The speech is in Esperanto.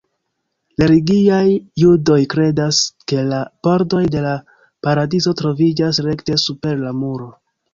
Religiaj judoj kredas ke la pordoj de la paradizo troviĝas rekte super la muro.